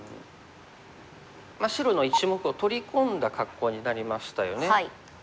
白の１目を取り込んだ格好になりましたよね。